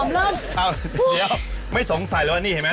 เดี๋ยวไม่สงสัยแล้วนี่เห็นไหม